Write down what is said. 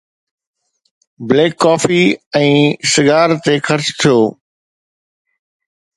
Black coffee ۽ cigar تي خرچ ٿيو.